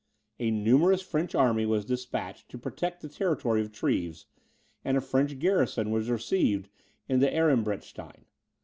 A numerous French army was despatched to protect the territory of Treves, and a French garrison was received into Ehrenbreitstein.